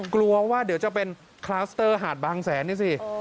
กลัวว่าเดี๋ยวจะเป็นคลัสเตอร์หาดบางแสนนี่สิ